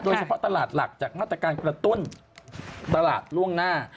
โดยเฉพาะตลาดหลักจากนักการกระตุ้นตลาดล่วงหน้า